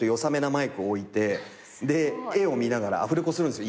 マイク置いて絵を見ながらアフレコするんですよ